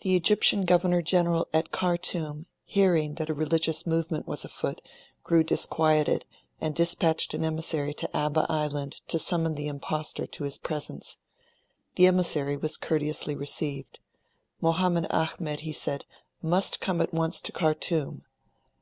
The Egyptian Governor General at Khartoum, hearing that a religious movement was afoot, grew disquieted, and dispatched an emissary to Abba Island to summon the impostor to his presence. The emissary was courteously received. Mohammed Ahmed, he said, must come at once to Khartoum.